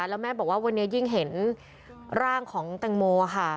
แล้วแม่บอกว่าวันนี้ยิ่งเห็นร่างของแตงโมค่ะ